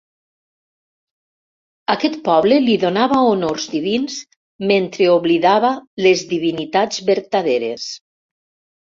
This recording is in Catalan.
Aquest poble li donava honors divins mentre oblidava les divinitats vertaderes.